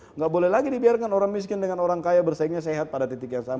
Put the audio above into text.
tidak boleh lagi dibiarkan orang miskin dengan orang kaya bersaingnya sehat pada titik yang sama